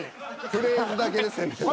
フレーズだけで攻めてる。